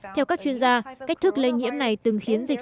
theo các chuyên gia cách thức lây nhiễm này từng khiến dịch